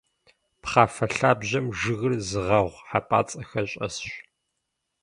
Пхъафэ лъабжьэм жыгыр зыгъэгъу хьэпӀацӀэхэр щӀэсщ.